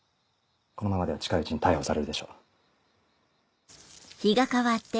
このままでは近いうちに逮捕されるでしょう。